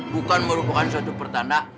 bukan merupakan suatu pertanda